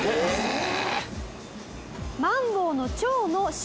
えっ？